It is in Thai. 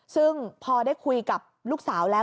ซึ่งพอได้คุยกับลูกสาวแล้ว